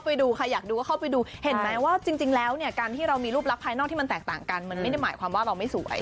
ไปดูใครอยากดูก็เข้าไปดูเห็นไหมว่าจริงแล้วเนี่ยการที่เรามีรูปลักษณ์ภายนอกที่มันแตกต่างกันมันไม่ได้หมายความว่าเราไม่สวย